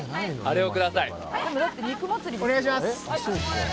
お願いします！